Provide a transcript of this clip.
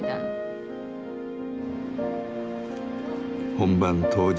本番当日。